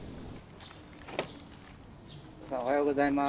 おはようございます。